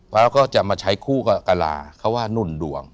แล้วก็จะมาใช้คู่กับกะลาเขาว่านุ่นดวง